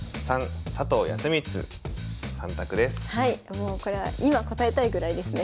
もうこれは今答えたいぐらいですね。